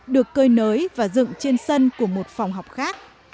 được cơi nới và dựng trên sân của một phòng học khác